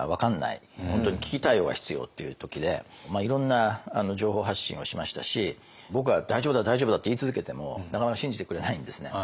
本当に危機対応が必要っていう時でいろんな情報発信をしましたし僕が大丈夫だ大丈夫だって言い続けてもなかなか信じてくれないんですね。